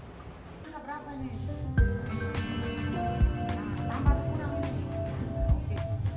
nampaknya kurang lebih